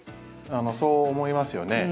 そう思いますよね。